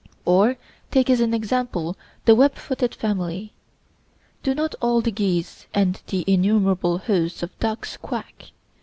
Or, take as an example the web footed family: Do not all the geese and the innumerable host of ducks quack?